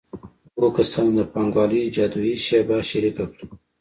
دوه کسانو د پانګوالۍ جادويي شیبه شریکه کړه